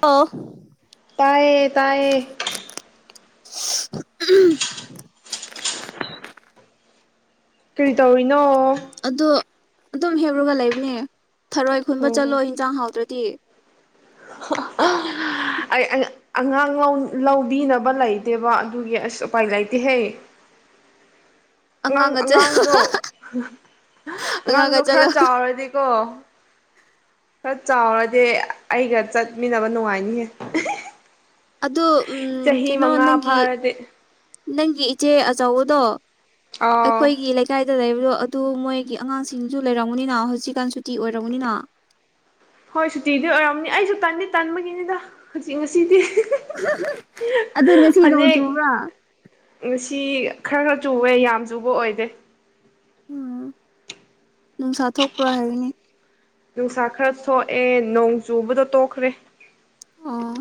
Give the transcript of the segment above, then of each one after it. ꯑꯣ ꯇꯌꯦ ꯇꯌꯦ ꯎꯝ ꯀꯔꯤ ꯇꯧꯔꯤꯅꯣ ꯑꯣ ꯑꯗꯨꯝ ꯍꯦꯞꯔꯒ ꯂꯩꯕꯅꯦ ꯊꯔꯣꯏ ꯈꯨꯟꯕ ꯑꯣ ꯆꯠꯂꯣ ꯏꯟꯖꯥꯡ ꯍꯥꯎꯗ꯭ꯔ ꯇꯦ ꯑꯩ ꯑꯉꯥꯡ ꯂꯧꯕꯤꯅꯕ ꯂꯩꯇꯦꯕ ꯑꯗꯨꯒꯤ ꯑꯁ ꯎꯄꯥꯏ ꯂꯩꯇꯦꯍꯦ ꯑꯥꯡ ꯑꯉꯥꯡꯒ ꯆꯠꯂꯣ ꯑꯉꯥꯡꯗꯣ ꯑꯉꯥꯡꯒ ꯑꯉꯥꯡꯗꯣ ꯈꯔ ꯆꯠꯂꯣ ꯆꯥꯎꯔꯗꯤꯀꯣ ꯆꯥꯎꯕꯗꯤꯦ ꯑꯩꯒꯔ ꯆ ꯃꯤꯅꯕ ꯅꯨꯡꯉꯥꯏꯅꯤꯍꯦ ꯑꯣ ꯎꯝ ꯆꯍꯤ ꯀꯩꯅꯣ ꯃꯉꯥ ꯅꯪꯒꯤ ꯐꯥꯔꯗꯤ ꯅꯪꯒꯤ ꯏꯆꯦ ꯑꯆꯧꯕꯗꯣ ꯑꯥꯎ ꯑꯩꯈꯣꯏꯒꯤ ꯂꯩꯀꯥꯏꯗ ꯂꯩꯕꯗꯣ ꯑꯗꯨ ꯃꯣꯏꯒꯤ ꯑꯉꯥꯡꯁꯤꯡꯁꯨ ꯂꯩꯔꯝꯃꯅꯤꯅ ꯍꯧꯖꯤꯛꯀꯥꯟ ꯁꯨꯇꯤ ꯑꯣꯏꯔꯝꯔꯕꯅꯤꯅ ꯍꯣꯏ ꯁꯨꯇꯤꯗꯤ ꯑꯣꯏꯔꯝꯅꯤ ꯑꯩꯁꯨ ꯇꯟꯅꯤ ꯇꯟꯕꯒꯤꯅꯤꯗ ꯍꯧꯖꯤꯛ ꯉꯁꯤꯗꯤ ꯑꯗꯨ ꯉꯁꯤ ꯅꯣꯡ ꯆꯨꯕ꯭ꯔꯥ ꯁꯤ ꯈꯔ ꯈꯔ ꯆꯨꯋꯦ ꯌꯥꯝ ꯆꯨꯕ ꯑꯣꯏꯗꯦ ꯎꯝ ꯅꯨꯡꯁꯥ ꯊꯣꯛꯄ꯭ꯔꯣ ꯍꯥꯏꯒꯅꯤ ꯅꯨꯡꯁꯥ ꯈꯔ ꯁꯣꯛꯑꯦ ꯅꯣꯡ ꯆꯨꯕꯗꯣ ꯇꯣꯛꯈ꯭ꯔꯦ ꯑꯣ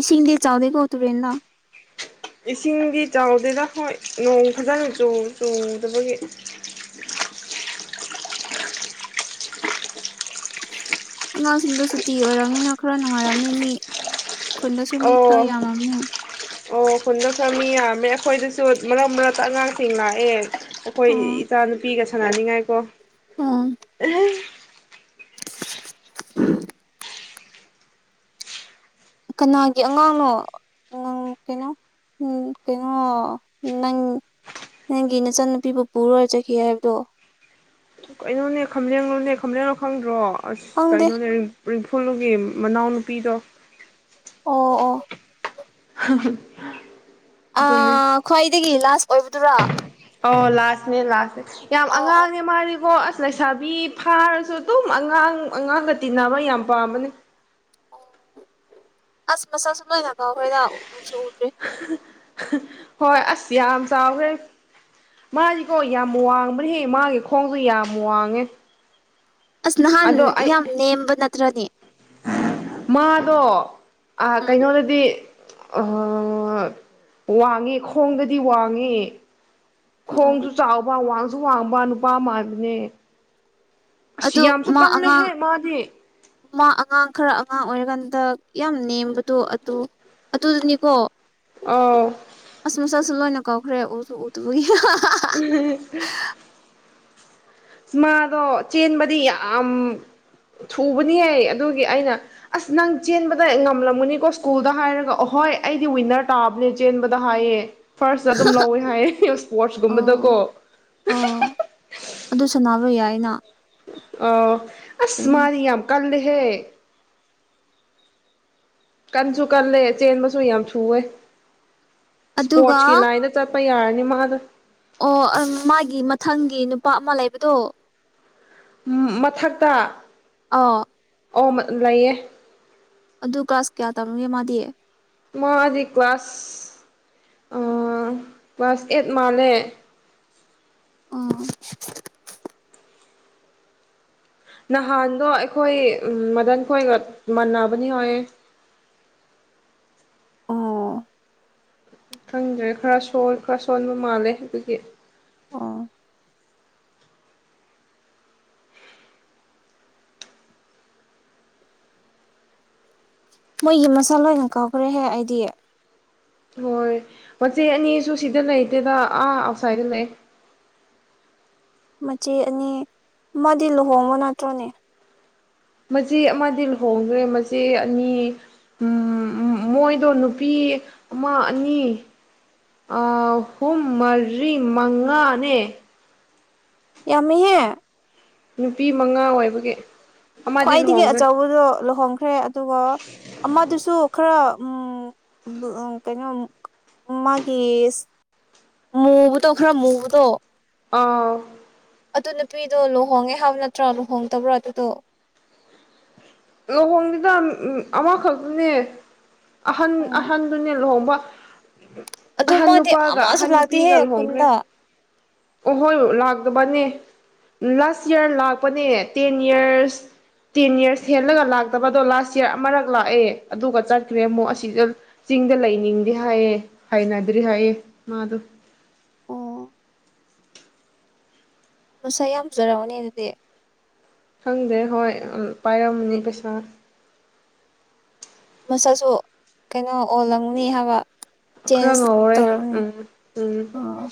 ꯏꯁꯤꯡꯗꯤ ꯆ ꯆꯥꯎꯗ ꯀꯣ ꯇꯨꯔꯦꯟꯅ ꯏꯁꯤꯡꯒꯤꯗꯤ ꯆꯥꯎꯗꯅ ꯍꯣꯏ ꯅꯣꯡ ꯐꯖꯅ ꯆꯣꯡꯗꯕꯒꯤ ꯑꯉꯥꯡꯁꯤꯡꯗꯣ ꯁꯨꯇꯤ ꯑꯣꯏꯔꯕꯝꯅꯤꯅ ꯈꯔ ꯅꯨꯡꯉꯥꯏꯔꯝꯅꯤ ꯃꯤ ꯈꯨꯟꯗꯁꯨ ꯃꯤ ꯑꯣ ꯈꯔ ꯌꯥꯝꯃꯝꯅꯤ ꯑꯣ ꯈꯨꯨꯟꯗ ꯈꯔ ꯃꯤ ꯌꯥ ꯑꯩꯈꯣꯏꯗꯁꯨ ꯃꯔꯛ ꯃꯔꯛꯇ ꯑꯉꯥꯡꯁꯤꯡ ꯂꯥꯛꯑꯦ ꯑꯩꯈꯣꯏ ꯏꯆꯥꯅꯨꯄꯤꯒꯁꯨ ꯁꯥꯟꯅꯅꯤꯡꯉꯥꯏꯀꯣ ꯑꯥ ꯀꯅꯥꯒꯤ ꯑꯉꯥꯡꯅꯣ ꯀꯩꯅꯣ ꯀꯩꯅꯣ ꯅꯪ ꯅꯪꯒꯤ ꯅꯆꯟꯅꯨꯄꯤꯕꯨ ꯄꯨꯔꯣꯏꯖꯒ ꯍꯥꯏꯕꯗꯣ ꯈꯅꯦ ꯈꯝꯂꯦꯟ ꯂꯣꯅꯦ ꯈꯝꯂꯦꯟꯔꯣ ꯈꯪꯗ꯭ꯔꯣ ꯑꯁ ꯈꯪꯗꯦ ꯀꯩꯅꯣꯅꯦ ꯎꯔꯤꯝꯐꯨꯜꯒꯤ ꯃꯅꯥꯎꯅꯨꯄꯤꯗꯣ ꯑꯣ ꯑ [inaudible] ꯑ ꯑꯗꯨꯅꯦ ꯈ꯭ꯋꯥꯏꯗꯒ ꯂ ꯑꯣꯏꯕꯗꯨꯔꯥ ꯑꯣ ꯂꯥꯁꯅꯦ ꯂꯥꯁ ꯌꯥꯝ ꯑꯣ ꯑꯣ ꯑꯉꯥꯡꯅꯦ ꯃꯥꯔꯤꯕꯣ ꯑꯁ ꯂꯩꯁꯥꯕꯤ ꯐꯥꯔꯁꯨ ꯑꯗꯨꯝ ꯑꯉꯥꯡ ꯑꯉꯥꯡꯒ ꯇꯤꯟꯅꯕ ꯌꯥꯝ ꯄꯥꯝꯕꯅꯤ ꯑꯣ ꯑꯁ ꯃꯁꯁꯨ ꯅ ꯊꯀ ꯐꯔ ꯌꯥ ꯁ [inaudible] ꯍꯣꯏ ꯑꯁ ꯌꯥꯝ ꯆꯥꯎꯈ꯭ꯔꯦ ꯃꯥꯗꯤꯀꯣ ꯌꯥꯝ ꯋꯥꯡꯕꯍꯦ ꯃꯥꯒꯤ ꯈꯣꯡꯁꯨꯣ ꯌꯥꯝ ꯋꯥꯡꯉꯦ ꯑꯁ ꯅꯍꯥꯟ ꯑꯗꯣ ꯑꯩ ꯌꯥꯝ ꯅꯦꯝꯕ ꯅ ꯇ꯭ꯔꯗꯤ ꯃꯥꯗꯣ ꯑ ꯎꯝ ꯀꯩꯅꯣꯗꯗꯤ ꯑ ꯋꯥꯡꯉꯦ ꯈꯣꯡꯗꯗꯤ ꯋꯥꯡꯉꯦ ꯎꯝ ꯈꯣꯡꯁꯨ ꯆꯥꯎꯕ ꯋꯥꯡꯁꯨ ꯁ ꯋꯥꯡꯕ ꯅꯨꯄꯥ ꯃꯥꯒꯤꯅꯦ ꯑꯗꯣ ꯃꯥ ꯑꯉꯥꯡ ꯃꯥꯗꯤ ꯃꯥ ꯑꯉꯥꯡ ꯈꯔ ꯑꯉꯥꯡ ꯑꯣꯏꯔꯀꯥꯟꯗ ꯌꯥꯝ ꯅꯦꯝꯕꯗꯣ ꯑꯗꯨ ꯑꯗꯨꯗꯨꯅꯤꯀꯣ ꯑꯧ ꯆꯁ ꯃꯆꯥꯥꯁ ꯂꯣꯏꯅ ꯀꯥꯎ ꯈꯔꯦ ꯑꯣꯁꯨ ꯎꯗꯨ ꯎꯝ ꯑ ꯃꯥꯗꯣ ꯆꯦꯟꯕꯗꯤ ꯌꯥꯝ ꯊꯨꯕꯅꯤꯌꯦ ꯑꯗꯨꯒꯤ ꯑꯩꯅ ꯑꯁ ꯅꯪ ꯆꯦꯟꯕꯗ ꯉꯝꯂꯝꯒꯅꯤꯀꯣ ꯁ꯭ꯀꯨꯜꯗ ꯍꯥꯏꯔꯒ ꯑꯣꯍꯣꯏ ꯑꯩꯗꯤ ꯋꯤꯟꯅꯔ ꯇꯥꯕꯅꯦ ꯆꯦꯟꯕꯗ ꯍꯥꯏꯌꯦ ꯐꯥꯔꯁꯇ ꯑꯗꯨꯝ ꯂꯧꯋꯦ ꯍꯥꯏꯌꯦ ꯑꯣ ꯏꯁꯄꯣꯔꯠꯁꯀꯨꯝꯕꯗꯀꯣ ꯑꯣꯏꯔꯣꯏ ꯌꯥꯏꯅ ꯑ ꯑꯁ ꯀꯩꯅꯣ ꯃꯥꯗꯤ ꯌꯥꯝ ꯀꯜ ꯍꯦ꯫ ꯀꯟꯁꯨ ꯀꯜꯂꯦ ꯆꯦꯟꯕꯁꯨ ꯌꯥꯝ ꯊꯨꯌꯦ ꯑꯗꯨꯒ ꯁꯄꯣꯔꯠꯁꯀꯤꯂꯥ ꯏꯅ ꯆꯄꯥ ꯌꯥꯔꯅꯤ ꯃꯗꯨ ꯑꯣ ꯃꯥꯒꯤ ꯃꯊꯪꯒꯤ ꯅꯨꯄꯥ ꯑꯃ ꯂꯩꯕꯗꯣ ꯃꯊꯛꯇ ꯑꯣ ꯑꯣ ꯂꯩꯌꯦ ꯑꯗꯨ ꯀ꯭ꯂꯥꯁ ꯀꯌꯥ ꯇꯝꯃꯤꯅꯣ ꯃꯥꯗꯤꯌꯦ ꯃꯥꯗꯤ ꯀ꯭ꯂꯥꯁ ꯀ꯭ꯂꯥꯁ ꯑꯦꯠ ꯃꯥꯜꯂꯦ ꯑ ꯅꯍꯥꯟꯗꯣ ꯑꯩꯈꯣꯏ ꯃꯗꯟ ꯈꯣꯏꯒ ꯃꯅꯕꯅꯤ ꯍꯥꯏꯌꯦ ꯑꯥ ꯈꯪꯗ꯭ꯔꯦ ꯈꯔ ꯁꯣꯏ ꯈꯔ ꯁꯣꯟꯕ ꯃꯥꯜꯂꯦ ꯑꯩꯈꯣꯏꯒꯤ ꯑ ꯃꯣꯏꯒꯤ ꯃꯁꯥ ꯂꯣꯏꯅ ꯀꯥꯎꯈ꯭ꯔꯦꯍꯦ ꯑꯩꯗꯤ ꯍꯣꯏ ꯃꯆꯦ ꯑꯅꯤꯁꯨ ꯁꯤꯗ ꯂꯩꯇꯦꯗ ꯑꯥ ꯑꯥꯎꯠꯁꯥꯏꯗꯠꯇ ꯂꯩ ꯃꯆꯦ ꯑꯅꯤ ꯃꯥꯗꯤ ꯂꯨꯍꯣꯡꯕꯣ ꯅꯠꯇ꯭ꯔꯣꯅꯦ ꯃꯆꯦ ꯑꯃꯗꯤ ꯂꯨꯍꯣꯡꯗ꯭ꯔꯦ ꯃꯆꯦ ꯑꯅꯤ ꯃꯣꯏꯗꯣ ꯅꯨꯄꯤ ꯑꯃ ꯑꯅꯤ ꯑꯍꯨꯝ ꯃꯔꯤ ꯃꯉꯥꯅꯦ ꯌꯥꯃꯤꯍꯦ ꯅꯨꯄꯤ ꯃꯉꯥ ꯑꯣꯏꯕꯒꯤ ꯑꯃꯗꯤ ꯈ꯭ꯋꯥꯏꯗꯒꯤ ꯂꯨꯍꯣꯡꯈ꯭ꯔꯦ ꯑꯆꯧꯕꯗꯣ ꯂꯨꯍꯣꯡ ꯍꯦ꯫ ꯑꯗꯨꯒ ꯑꯃꯗꯨꯁꯨ ꯈꯔ ꯎꯝ ꯀꯩꯅꯣ ꯃꯥꯒꯤ ꯃꯨꯕꯗꯣ ꯈꯔ ꯃꯨꯕꯗꯣ ꯑꯥ ꯑꯗꯨ ꯅꯨꯄꯤꯗꯣ ꯂꯨꯍꯣꯡꯉꯦ ꯍꯥꯏꯕ ꯅꯠꯇ꯭ꯔꯣ ꯂꯨꯍꯣꯡꯗꯕ꯭ꯔꯣ ꯑꯗꯨꯗꯣ ꯂꯨꯍꯣꯡꯅꯤꯗ ꯑꯃꯈꯛꯇꯅꯦ ꯑꯍꯟ ꯑꯣ ꯑꯍꯟꯗꯨꯅꯦ ꯂꯨꯍꯣꯡꯕ ꯑꯗꯨ ꯑꯍꯟ ꯃꯥꯗꯤ ꯅꯨꯄꯥꯒ ꯑꯃꯁꯨ ꯑꯍꯟ ꯅꯨꯄꯤꯒ ꯂꯥꯛꯇꯦꯍꯦ ꯂꯨꯍꯣꯡꯈ꯭ꯔꯦ ꯈꯨꯟꯗ ꯑꯣꯍꯣꯏ ꯂꯥꯛꯇꯕꯅꯦ ꯂꯥꯁ ꯏꯌꯥꯔ ꯂꯥꯛꯄꯅꯦ ꯇꯦꯟ ꯌꯥꯔꯁ ꯇꯦꯟ ꯏꯔꯁ ꯍꯦꯂꯒ ꯂꯥꯛꯇꯕꯗꯣ ꯂꯥꯁ ꯌꯔ ꯑꯃꯔꯛ ꯂꯥꯛꯑꯦ ꯑꯗꯨꯒ ꯆꯠꯈ꯭ꯔꯦ ꯑꯃꯨꯛ ꯑꯁꯤꯗ ꯆꯤꯡꯗ ꯂꯩꯅꯤꯡꯗꯦ ꯍꯥꯏꯌꯦ ꯍꯥꯏꯅꯗ꯭ꯔꯤ ꯍꯥꯏꯑ ꯃꯥꯗꯣ ꯑꯣ ꯃꯁꯛ ꯌꯥꯝ ꯐꯖꯔꯝ ꯃꯅꯤ ꯅꯦ ꯑꯗꯨꯗꯤ ꯈꯪꯗꯦ ꯍꯣꯏ ꯄꯥꯏꯔꯝꯃꯅꯤ ꯄꯩꯁꯥ ꯃꯁꯛꯁꯨ ꯀꯩꯅꯣ ꯑꯣꯜꯂꯪꯅꯤ ꯍꯥꯏꯕ ꯈꯔ ꯆꯦꯟꯖ ꯉꯥꯎꯔꯦ ꯇꯧꯔꯝꯅꯤ ꯎꯝ ꯎꯝ ꯑꯣ꯫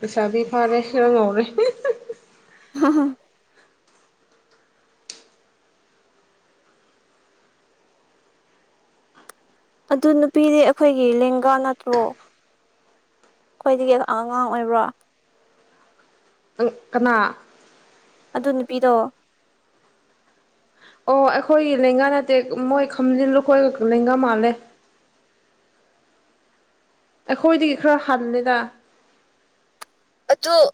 ꯂꯩꯁꯕꯤ ꯐꯥꯔꯦ ꯈ ꯉꯧꯔꯦ ꯍꯥ ꯍꯥꯥ ꯑꯗꯨ ꯅꯨꯄꯤꯗꯤ ꯑꯩꯈꯣꯏꯒꯤ ꯂꯦꯡꯒꯥ ꯅꯠꯇ꯭ꯔꯣ ꯑꯩꯈꯣꯏꯗꯒꯤ ꯑꯉꯥꯡ ꯑꯣꯏꯕ꯭ꯔꯣ ꯎ ꯀꯅꯥ ꯑꯗꯨ ꯅꯨꯄꯤꯗꯣ ꯑꯣ ꯑꯩꯈꯣꯏꯒꯤ ꯂꯦꯡꯒꯥ ꯅꯠꯇꯦ ꯃꯣꯏ ꯈꯝꯖꯤꯜꯂꯨꯈꯣꯏꯒ ꯂꯦꯡꯒꯥ ꯃꯥꯜꯂꯦ ꯑꯩꯈꯣꯏꯗꯒꯤ ꯈꯔ ꯍꯟꯅꯅꯤꯦꯗ ꯑꯗꯨꯝ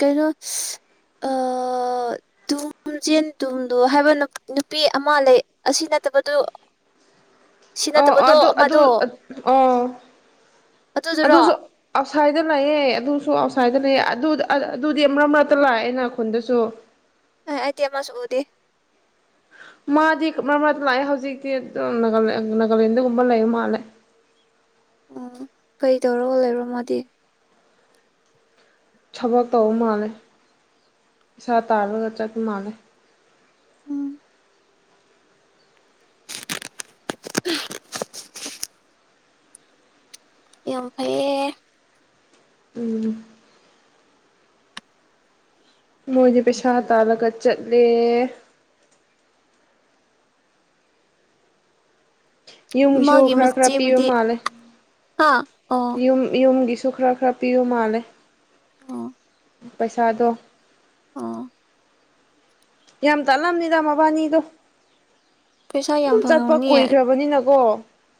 ꯀꯩꯅꯣ ꯇꯨꯝꯖꯦꯟ ꯇꯨꯝꯗꯣ ꯍꯥꯏꯕ ꯅꯨꯄꯤ ꯑꯃ ꯂꯩ ꯑꯁꯤ ꯅꯠꯇꯕꯗꯨ ꯁꯤ ꯑ ꯅꯠꯇꯕꯗꯣ ꯑꯗꯨ ꯑꯗꯨ ꯑꯃꯗꯣ ꯑ ꯑꯗꯨꯗꯨꯔꯣ ꯑꯗꯨꯁꯨ ꯑꯥꯎꯠꯁꯥꯏꯗ ꯂꯥꯛꯑꯦ ꯑꯗꯨꯁꯨ ꯑꯥꯎꯠꯁꯥꯏꯗ ꯂꯩꯑꯦ ꯑꯗꯨꯗꯤ ꯑꯃꯛ ꯃꯔꯛꯇ ꯂꯥꯛꯑꯦꯅ ꯈꯨꯟꯗꯁꯨ ꯑ ꯑꯗꯤ ꯃꯥꯁ ꯎꯗꯦ ꯃꯥꯗꯤ ꯃꯔ ꯃꯔꯗꯤ ꯂꯥꯛꯑꯦ ꯍꯧꯖꯤꯛꯇꯤ ꯅꯥꯒꯥꯂꯦꯟꯗꯒꯨꯝꯕ ꯂꯩ ꯃꯥꯜꯂꯦ ꯑꯣ ꯀꯩ ꯇꯧꯔꯒ ꯂꯩꯔꯣ ꯃꯥꯗꯤ ꯊꯕꯛ ꯇꯧꯕ ꯃꯥꯜꯂꯦ ꯏꯁꯥ ꯇꯥꯔꯒ ꯆꯠꯄ ꯃꯥꯜꯂꯦ ꯎꯝ [unintelligible] ꯌꯥꯐꯩ ꯎꯝ ꯃꯣꯏꯒꯤ ꯄꯩꯁꯥ ꯇꯂꯒ ꯆꯠꯂꯦ ꯌꯨꯝꯒꯤꯁꯨ ꯃꯥꯒꯤ ꯈꯔ ꯈꯔ ꯄꯤꯕ ꯃꯆꯦꯕꯨꯗꯤ ꯃꯥꯜꯂꯦ ꯍꯥ ꯑꯣ ꯌꯨꯝ ꯌꯨꯝꯒꯤꯁꯨ ꯁ ꯈꯔ ꯈꯔ ꯄꯤꯌꯨ ꯃꯥꯜꯂꯦ ꯄꯩꯁꯥꯗꯣ ꯑꯥ ꯌꯥꯝ ꯇꯜꯂꯝꯅꯤꯗ ꯃꯕꯥꯅꯤꯗꯣ ꯄꯩꯁꯥ ꯌꯥꯝ ꯑꯗꯨꯝ ꯆꯠꯄ ꯐꯪꯉꯝꯒꯅꯤꯌꯦ ꯀꯨꯏꯈ꯭ꯔꯕꯅꯤꯅꯀꯣ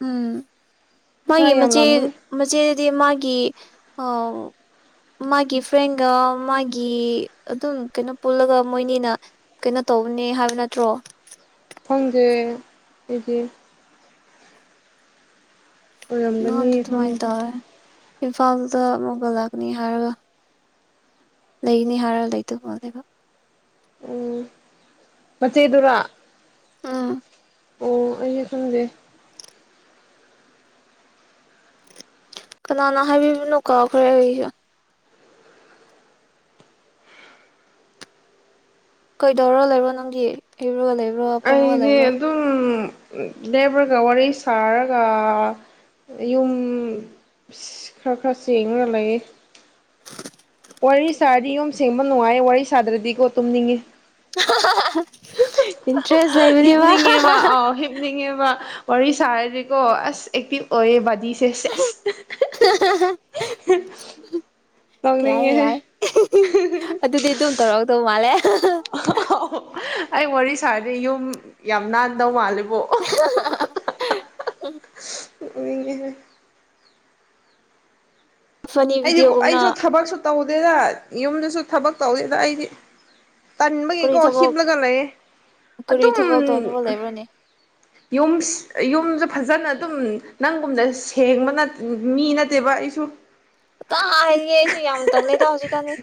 ꯎꯝ ꯄꯩꯁꯥ ꯃꯥꯒꯤ ꯌꯥꯝ ꯃꯆꯦ ꯂꯥꯝꯒꯅꯤ ꯃꯆꯦꯗꯤ ꯃꯥꯒꯤ ꯃꯥꯒꯤ ꯐ꯭ꯔꯦꯟꯒ ꯃꯥꯒꯤ ꯑꯗꯨꯝ ꯀꯩꯅꯣ ꯄꯨꯜꯂꯒ ꯃꯣꯏꯅꯤꯅ ꯀꯩꯅꯣ ꯇꯧꯕꯅꯦ ꯍꯥꯏꯕ ꯅꯠꯇ꯭ꯔꯣ ꯐꯪꯖꯦ ꯑꯩꯗꯤ ꯑꯣꯔꯝꯕꯅꯤ ꯅꯍꯥꯟꯗꯣ ꯐ ꯑꯗꯨꯃꯥꯏꯅ ꯇꯧꯋꯦ ꯏꯝꯐꯥꯜꯗ ꯑꯃꯨꯛꯒꯜ ꯂꯥꯛꯅꯤ ꯍꯥꯏꯔꯒ ꯂꯩꯅꯤ ꯍꯥꯏꯔ ꯂꯩꯗ ꯃꯣ ꯂꯩꯦꯕ ꯎꯝ ꯃꯆꯦꯗꯨꯔ ꯑꯥ ꯑꯣ ꯑꯩ ꯈꯦ ꯀꯅꯥꯅ ꯍꯥꯏꯕꯤꯕꯅꯣ ꯀꯥꯎꯈ꯭ꯔꯦ ꯑꯩꯁꯨ ꯀꯣꯏ ꯗꯧꯔ ꯂꯩꯔꯣ ꯅꯪꯗꯤ ꯏꯔꯨ ꯂꯩꯔꯣ ꯑꯩꯗꯤ ꯑꯗꯨꯝ ꯂꯦꯕꯔꯒ ꯋꯥꯔꯤ ꯁꯥꯔꯒ ꯌꯨꯝ ꯈꯔ ꯈꯔ ꯆꯦꯡꯉꯒ ꯂꯩ ꯋꯥꯔꯤ ꯁꯥꯔꯗꯤ ꯌꯨꯝ ꯁꯦꯡꯕ ꯅꯨꯡꯉꯥꯏ ꯋꯥꯔꯤ ꯁꯥꯗ꯭ꯔꯗꯤꯀꯣ ꯇꯨꯝꯅꯤꯡꯉ ꯏꯟꯇꯔꯦꯁ ꯂꯩꯕꯅꯦꯕ ꯍꯤꯞꯅꯤꯡꯉꯦꯕ ꯑꯥꯎ ꯍꯤꯞꯅꯤꯡꯉꯦꯕ ꯋꯥꯔꯤ ꯁꯥꯔꯗꯤꯀꯣ ꯑꯁ ꯑꯦꯛꯇꯤꯚ ꯑꯣꯏꯌꯦ ꯕꯥꯗꯤ [unintelligible] ꯌꯥꯏꯌꯦ ꯌꯥꯏ ꯑꯗꯨꯗꯤ ꯑꯗꯨꯝ ꯇꯧꯔꯛꯗꯧꯕ ꯃꯥ ꯃꯥꯂꯦ ꯑꯩ ꯋꯥꯔꯤ ꯁꯥꯔꯗꯤ ꯌꯨꯝ ꯌꯥꯝ ꯅꯥꯟꯗꯧ ꯃꯥꯜꯂꯦ [inaudible] ꯎꯝ ꯏꯒꯤ ꯐꯅꯤ ꯑꯩꯗꯤꯣ ꯚꯤꯗꯤꯑꯣꯒꯨꯝꯅ ꯑꯩꯁꯨ ꯊꯕꯛꯁꯨ ꯇ꯭ꯗꯦ ꯗꯥ ꯌꯨꯃꯗꯥꯁꯨ ꯊꯕꯛ ꯇ꯭ꯗꯦ ꯗꯥ ꯏꯗ꯫ ꯇꯥꯅꯕꯒꯤ ꯀꯔꯤ ꯀꯣ ꯊꯕꯛ ꯍꯤꯞꯄꯂꯒꯥ ꯂꯦꯏꯌꯦ ꯀꯔꯤ ꯑꯗꯨꯝ꯫ ꯊꯕꯛ ꯇꯧꯅꯕ ꯂꯩꯕ꯭ꯔꯅꯦ ꯌꯨꯝ ꯌꯨꯝꯁꯨ ꯐꯖꯅ ꯑꯗꯨꯝ ꯅꯪꯒꯨꯝꯗ ꯁꯦꯡꯕ ꯃꯤ ꯅꯠꯇꯦꯕ ꯑꯩꯁꯨ ꯇ ꯍꯥꯏꯔꯤꯌꯦ ꯑꯩꯁꯨ ꯌꯥꯝ ꯇꯪꯂꯦꯗ ꯍꯧꯖꯤꯛꯀꯥꯟꯗꯤ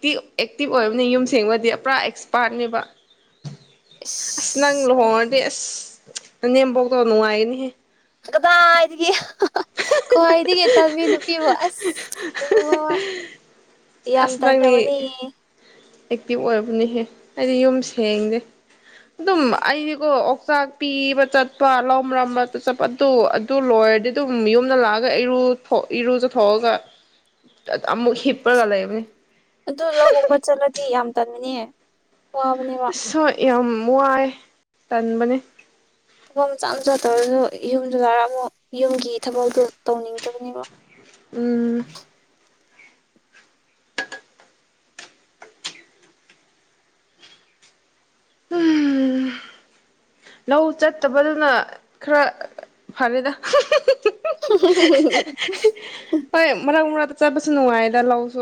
ꯑꯦꯛꯇꯤꯕ ꯑꯣꯏꯕꯅꯦ ꯌꯨꯝ ꯁꯦꯝꯕꯥ ꯗꯤ ꯄꯨꯔꯥ ꯑꯦꯛꯁꯄꯔꯠ ꯅꯦ ꯕꯥ꯫ ꯑꯦꯁ ꯑꯦꯟ. ꯖꯤ. ꯏꯁ ꯂꯨꯍꯣꯡꯒꯥ꯫ ꯑꯦꯁ꯭ꯍ ꯅꯅꯦꯝꯕꯣꯛ ꯗꯨ ꯅꯨꯡꯒꯥꯅꯤ ꯍꯦꯍ꯫ ꯀꯗꯥꯏꯗꯥꯒꯤ꯫ ꯈ꯭ꯋꯥꯏꯗꯒꯤꯩ ꯇꯥꯟꯕꯤ ꯅꯨꯄꯤꯕꯨꯣ ꯑꯁ ꯎ ꯌꯥꯝ ꯇꯟꯈ꯭ꯔꯕꯅꯦꯍ ꯑꯦꯛꯇꯤꯚ ꯑꯣꯏꯕꯅꯤꯍꯦ ꯑꯩꯗꯤ ꯌꯨꯝ ꯁꯦꯡꯗꯦ ꯑꯗꯨꯝ ꯑꯩꯗꯤꯀꯣ ꯑꯣꯛꯆꯥꯛ ꯄꯤꯕ ꯆꯠꯄ ꯂꯧꯃꯔꯝꯕ ꯆꯠꯄ ꯑꯗꯨ ꯑꯗꯨ ꯂꯣꯏꯔꯗꯤ ꯌꯨꯝ ꯌꯨꯃꯗꯥ ꯂꯀꯥꯒꯥ ꯑꯦꯔꯨ ꯑꯦꯔꯨꯖꯥꯊꯣꯀꯒꯥ ꯑꯃꯨꯛ ꯍꯤꯞꯄꯥꯒꯥ ꯂꯦꯏꯕꯅꯦ꯫ ꯑꯗꯨ ꯂꯥꯑꯣ ꯒꯨꯝꯕꯥ ꯆꯇꯂꯒꯥ ꯗꯤ ꯌꯥꯝ ꯇꯥꯅꯕꯅꯦ꯫ ꯑꯦꯁ꯭ꯍ ꯍꯣꯏ ꯌꯥꯝ꯫ ꯋꯥꯏ ꯇꯥꯅꯕꯅꯦ꯫ ꯊꯕꯐꯝ ꯃꯆꯥ ꯃꯆꯥ ꯇꯧꯔꯁꯨ ꯌꯨꯝꯗꯨꯗꯔ ꯑꯃꯨꯛ ꯌꯨꯝꯒꯤ ꯊꯕꯛꯇꯣ ꯇꯧꯅꯤꯡꯗꯕꯅꯦꯕ ꯎꯝ ꯎꯝ ꯂꯥꯑꯣ ꯆꯇꯕꯥ ꯗꯨꯟꯅꯥ ꯈ꯭ꯔꯥ ꯐ꯭ꯍꯔꯦ ꯗꯥ꯫ [unintelligible] ꯆ꯭ꯇꯄꯥꯁꯨ ꯅꯨꯉ꯭ꯒꯥꯏ ꯗꯥ ꯂꯥꯑꯣ ꯁꯨ꯫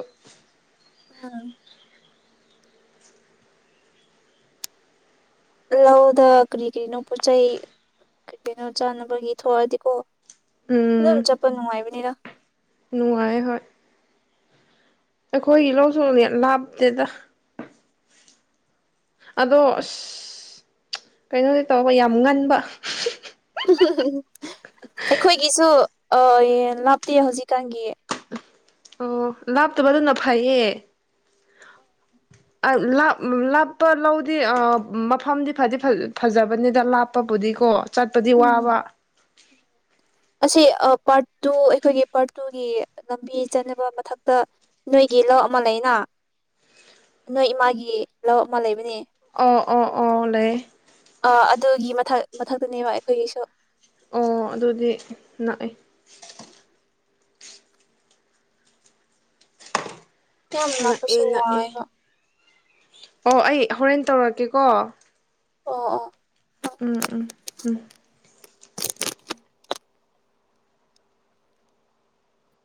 [inaudible] ꯂꯧꯗ ꯀꯔꯤ ꯀꯔꯤꯅꯣ ꯄꯣꯠ ꯆꯩꯩ ꯀꯔꯤ ꯀꯔꯤꯅꯣ ꯆꯥꯅꯕꯒꯤ ꯊꯣꯛꯑꯗꯤ ꯀꯣ ꯑꯗꯨꯝ ꯆ꯭ꯇꯄꯥ ꯅꯨꯡꯒꯥꯏꯕꯥꯅꯤ ꯗꯥ꯫ ꯅꯨꯡꯗꯥꯏ ꯍꯣꯏ꯫ ꯑꯈꯣꯏ ꯁꯨ ꯂꯥꯑꯣ ꯗꯨ ꯌꯥꯝ ꯂꯥꯄꯇꯦ ꯗꯥ ꯑꯗꯨ ꯑꯁ꯭ꯍ ꯀꯦꯏꯅꯣ ꯗꯤ ꯇ꯭ꯕꯥꯕꯥ ꯌꯥꯝ ꯉꯅꯕꯥ꯫ ꯑꯈꯣꯏꯖꯤꯁꯨ ꯑꯥ ꯂꯥꯄꯇꯦ ꯍ꯭ꯋꯖꯤꯛ ꯀꯥꯟ ꯒꯤ꯫ ꯑꯣꯍ ꯂꯥꯄꯇꯥꯕꯥ ꯗꯨꯅꯥ ꯐꯦꯏꯌꯦ꯫ ꯂꯥꯞꯄ ꯂꯧꯗꯤ ꯃꯐꯝꯗꯤ ꯐꯗꯤ ꯐꯖꯕꯅꯤꯗ ꯂꯥꯞꯄꯕꯨꯗꯤꯀꯣ ꯆꯇꯄꯥ ꯗꯤ ꯎꯝ ꯋꯥꯕꯥ꯫ ꯑꯁꯤ ꯄꯥꯔꯠ ꯇꯨ ꯑꯩꯈꯣꯏꯒꯤ ꯄꯥꯔꯠ ꯇꯨꯒꯤ ꯂꯝꯕꯤ ꯆꯠꯅꯕ ꯃꯊꯛꯇ ꯅꯣꯏꯒꯤ ꯂꯧ ꯑꯃ ꯂꯩꯅ ꯅꯣꯏ ꯏꯃꯥꯒꯤ ꯂꯧ ꯑꯃ ꯂꯩꯕꯅꯦ ꯑꯉ꯭ꯒ ꯑꯥ ꯑ ꯂꯦꯏꯌꯦ꯫ ꯑ ꯑꯗꯨꯒꯤ ꯃꯊꯛ ꯃꯊꯀꯗꯅꯦ ꯕꯥ ꯑꯈꯣꯏ꯫ ꯑꯈꯣꯏ ꯒꯤꯁꯨ꯫ ꯑꯣ ꯑꯗꯨꯗꯤ ꯅꯛꯑꯦ ꯌꯥꯝ ꯅꯛꯑꯦ ꯂꯥꯞꯄꯁꯨ ꯅꯛꯑꯦ ꯋꯥꯏꯕ ꯑꯣ ꯑꯩ ꯍꯣꯔꯦꯟ ꯇꯧꯔꯛꯀꯦꯀꯣ ꯑꯣ ꯑꯣ ꯎꯝ ꯎꯝ ꯎꯝ [inaudible]